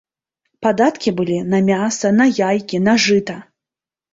Падаткі былі на мяса, на яйкі, на жыта.